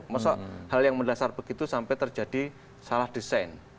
maksudnya hal yang mendasar begitu sampai terjadi salah desain